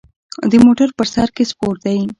د موټر په سر کې سپور دی.